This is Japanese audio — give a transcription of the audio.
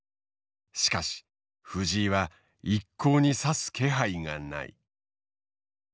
しかし藤井は一向に指す気配がない。